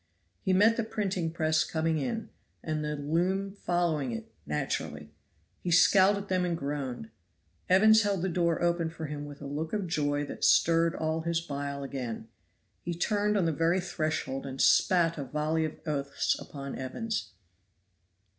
He met the printing press coming in, and the loom following it (naturally); he scowled at them and groaned. Evans held the door open for him with a look of joy that stirred all his bile again. He turned on the very threshold and spat a volley of oaths upon Evans.